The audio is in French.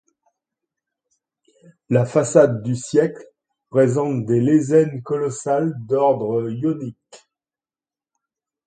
La façade du siècle présente des lésènes colossales d'ordre ionique.